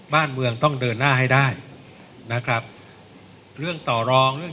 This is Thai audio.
บ้านเมืองต้องเดินหน้าให้ได้นะครับเรื่องต่อรองเรื่อง